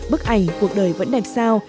bức ảnh cuộc đời vẫn đẹp sao